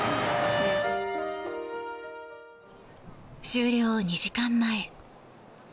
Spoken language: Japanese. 終了２時間前。